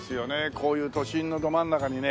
こういう都心のど真ん中にね